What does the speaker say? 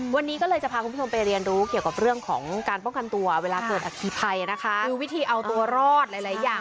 วันนี้ก็เลยจะพาคุณผู้ชมไปเรียนรู้เกี่ยวกับเรื่องของการป้องกันตัวเวลาเกิดอัคคีภัยนะคะคือวิธีเอาตัวรอดหลายหลายอย่าง